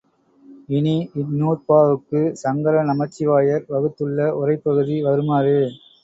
இனி இந்நூற்பாவுக்குச் சங்கரநமச்சிவாயர் வகுத்துள்ள உரைப்பகுதி வருமாறு.